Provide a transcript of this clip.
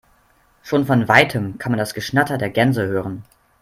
Schon von weitem kann man das Geschnatter der Gänse hören.